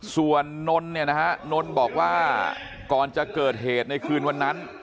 ส่วนนนท์เนี่ยนะฮะนนบอกว่าก่อนจะเกิดเหตุในคืนวันนั้น